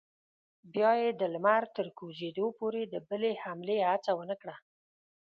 بیا یې د لمر تر کوزېدو پورې د بلې حملې هڅه ونه کړه.